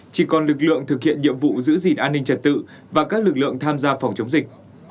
chỉ còn lực lượng thực hiện nhiệm vụ giữ gìn an ninh trật tự và các lực lượng tham gia phòng chống dịch